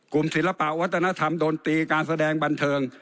ศิลปะวัฒนธรรมดนตรีการแสดงบันเทิง